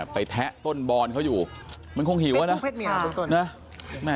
แทะต้นบอนเขาอยู่มันคงหิวอะนะ